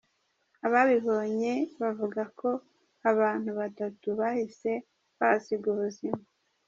Ababibonye bavuga ko abantu batatu bahise bahasiga ubuzima.